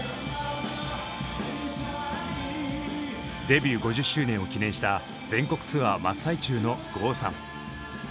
デビュー５０周年を記念した全国ツアー真っ最中の郷さん。